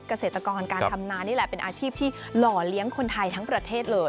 ขอเลี้ยงคนไทยทั้งประเทศเลย